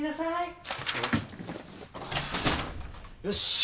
よし。